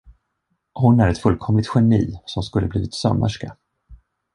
Hon är ett fullkomligt geni som skulle blivit sömmerska.